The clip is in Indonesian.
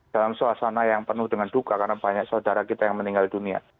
dalam suasana yang penuh dengan duka karena banyak saudara kita yang meninggal dunia